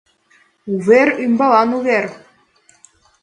Увер ӱмбалан увер